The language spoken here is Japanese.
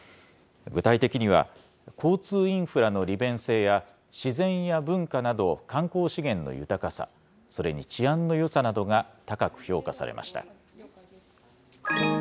具体的には、交通インフラの利便性や、自然や文化など観光資源の豊かさ、それに治安のよさなどが高く評価されました。